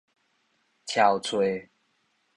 搜揣